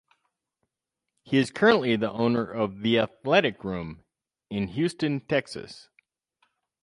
He currently is the owner of The Athletic Room in Houston, Texas.